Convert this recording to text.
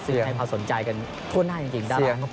ซึ่งให้พาสนใจกันพูดหน้าจริงด้านล่างเข้าไป